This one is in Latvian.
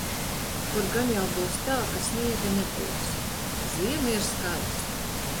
Kur gan jau būs tā, ka sniega nebūs... Ziema ir skaista!